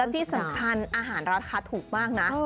ที่สำคัญอาหารราคาถูกมากนะ